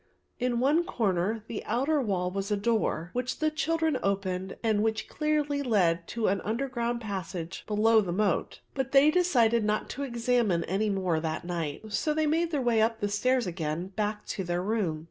In one corner on the outer wall was a door, which the children opened, and which clearly led to the underground passage below the moat; but they decided not to examine any more that night. So they made their way up the stairs again back to their room.